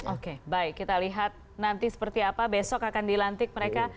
oke baik kita lihat nanti seperti apa besok akan dilantik mereka